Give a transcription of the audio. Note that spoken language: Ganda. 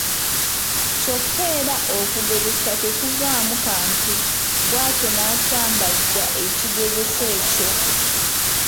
Kyokka era okugezesa tekuvaamu kantu bw’atyo n’asambajja ekigezeso ekyo.